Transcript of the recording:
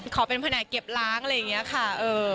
ขอเป็นแผนกเก็บล้างอะไรอย่างนี้ค่ะ